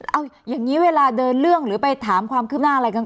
เอาอย่างนี้เวลาเดินเรื่องหรือไปถามความคืบหน้าอะไรกลาง